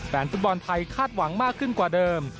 แฟนฟุตบอลไทยคาดหวังมากขึ้นกว่าเดิม